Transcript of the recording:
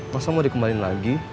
masa mau dikembaliin lagi